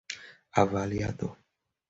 avaliador